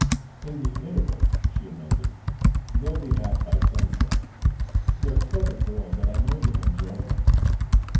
" in the interval," she amended. "They'll be back by sunset. They're clever girls and I know you'll enjoy them."